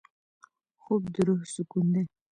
خوب د روح سکون دی